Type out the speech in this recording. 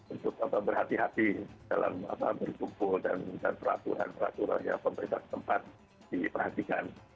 untuk berhati hati dalam berkumpul dan peraturan peraturan yang pemerintah tempat diperhatikan